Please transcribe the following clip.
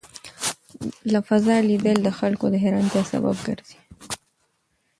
له فضا لیدل د خلکو د حېرانتیا سبب ګرځي.